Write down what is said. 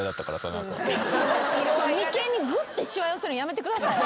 眉間にグッてしわ寄せるのやめてください。